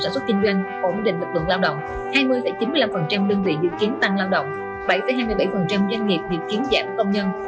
sản xuất kinh doanh ổn định lực lượng lao động hai mươi chín mươi năm đơn vị dự kiến tăng lao động bảy hai mươi bảy doanh nghiệp dự kiến giảm công nhân